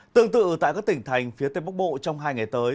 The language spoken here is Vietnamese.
tương tự tại các tỉnh thành phía tây bắc bộ trong hai ngày tới